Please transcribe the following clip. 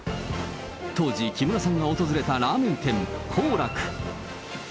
当時、木村さんが訪れたラーメン店、香楽。